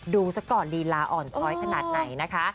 สักก่อนลีลาอ่อนช้อยขนาดไหนนะคะ